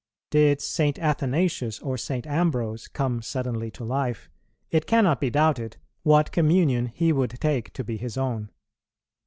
Did St. Athanasius or St. Ambrose come suddenly to life, it cannot be doubted what communion he would take to be his own.